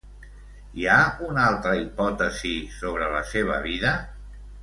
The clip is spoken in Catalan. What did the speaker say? Hi ha una altra hipòtesi sobre la seva vida?